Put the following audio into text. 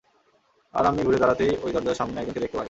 আর আমি ঘুরে দাঁড়াতেই ওই দরজার সামনে একজনকে দেখতে পাই।